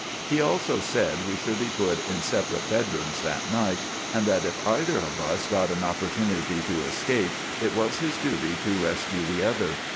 He also sed we should be put in sepperate bedrooms that night, and that if either of us got an opportunety to eskape, it was his duty to reskue the other.